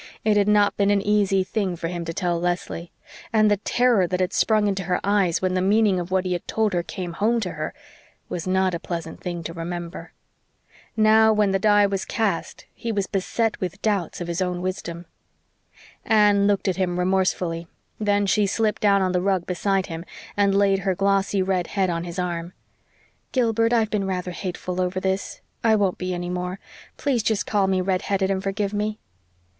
It had not been an easy thing for him to tell Leslie. And the terror that had sprung into her eyes when the meaning of what he told her came home to her was not a pleasant thing to remember. Now, when the die was cast, he was beset with doubts of his own wisdom. Anne looked at him remorsefully; then she slipped down on the rug beside him and laid her glossy red head on his arm. "Gilbert, I've been rather hateful over this. I won't be any more. Please just call me red headed and forgive me."